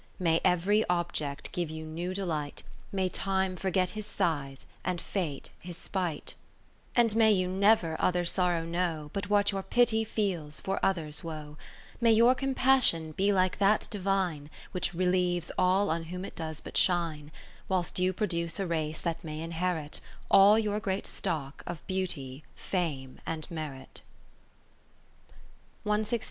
May every object give you new delight. May Time forget his scythe, and Fate his spite ; common, and 'president' could only be Kath ertne Philips And may you never other sorrow know, But what your pity feels for others' woe : 50 May your compassion be like that Divine, Which relieves all on whom it does but shine, Whilst you produce, a race that may inherit All your great stock of Beauty, Fame, and Merit.